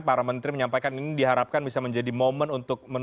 para menteri menyampaikan ini diharapkan bisa menjadi momen untuk menuju ke fase endemi